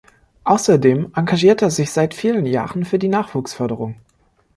Außerdem engagiert er sich seit vielen Jahren für die Nachwuchsförderung.